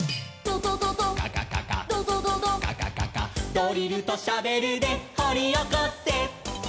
「ドリルとシャベルでほりおこせ」